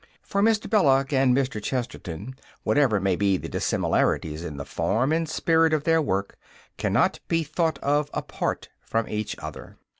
For Mr. Belloc and Mr. Chesterton, whatever may be the dissimilarities in the form and spirit of their work, cannot be thought of apart from each other.